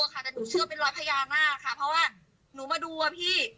แต่หนูเชื่อเป็นรอยพญานาคค่ะเพราะว่าหนูมาดูอะพี่